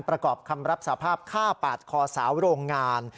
ประกอบคำรับสภาพฆ่าปาดคอสาวโรงงาน